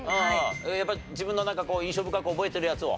やっぱり自分のなんかこう印象深く覚えてるやつを？